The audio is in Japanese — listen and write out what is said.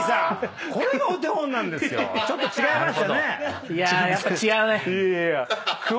ちょっと違いましたね。